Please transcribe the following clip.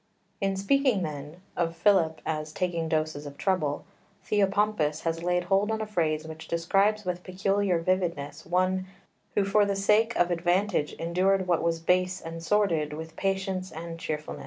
In speaking, then, of Philip as "taking doses of trouble," Theopompus has laid hold on a phrase which describes with peculiar vividness one who for the sake of advantage endured what was base and sordid with patience and cheerfulness.